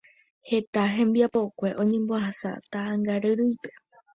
Heta hembiapokue oñembohasa taʼãngaryrýipe.